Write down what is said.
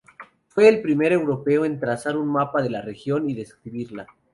Fue el primer europeo en trazar un mapa de la región y describirla.